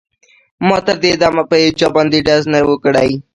ما تر دې دمه په هېچا باندې ډز نه و کړی